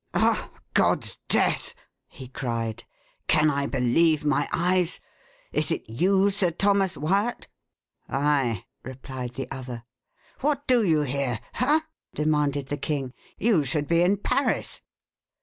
"Ah! God's death!" he cried, "can I believe my eyes? Is it you, Sir Thomas Wyat?" "Ay," replied the other. "What do you here? Ha!" demanded the king. "You should be in Paris."